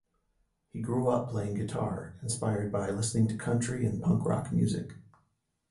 He grew up playing guitar, inspired by listening to country and punk rock music.